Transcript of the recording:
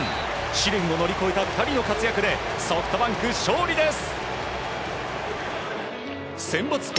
試練を乗り越えた２人の活躍でソフトバンク勝利です！